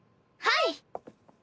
はい。